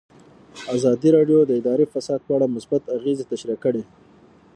ازادي راډیو د اداري فساد په اړه مثبت اغېزې تشریح کړي.